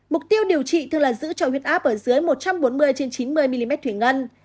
mục tiêu điều trị thường là giữ cho huyết áp ở dưới một trăm bốn mươi trên chín mươi mm thủy ngân